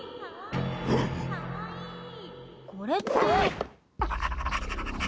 これって。